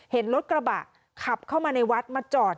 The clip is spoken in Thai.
เห็นรถกระบะขับเข้ามาในวัดมาจอด